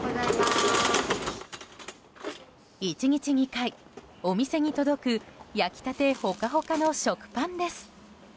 １日に２回、お店に届く焼きたてホカホカの食パンです。